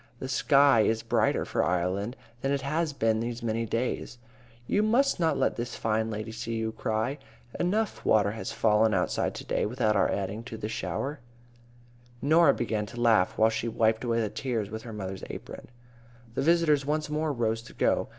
"The sky is brighter for Ireland than it has been these many years. You must not let this fine lady see you cry. Enough water has fallen outside to day without our adding to the shower." [Illustration: NORAH'S HOME.] Norah began to laugh, while she wiped away the tears with her mother's apron. The visitors once more rose to go.